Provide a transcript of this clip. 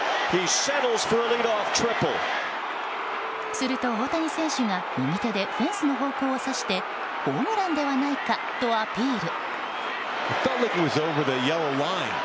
すると、大谷選手が右手でフェンスの方向を指してホームランではないか？とアピール。